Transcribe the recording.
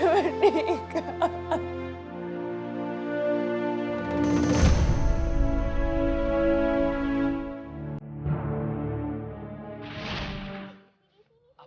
abimmu sudah mampus